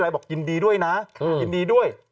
บอกยินดีด้วยนะยินดีด้วย